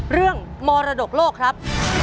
เรื่องมรดกโลกครับ